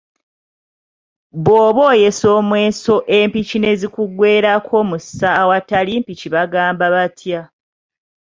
Bw'oba oyesa omweso empiki ne zikugwerako mu ssa awatali mpiki bagamba batya?